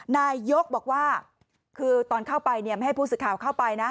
นายยกบอกว่าคือตอนเข้าไปไม่ให้ผู้สื่อข่าวเข้าไปนะ